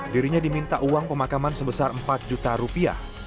dirinya diminta uang pemakaman sebesar empat juta rupiah